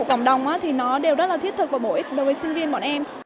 cộng đồng đều rất thiết thực và bổ ích đối với sinh viên bọn em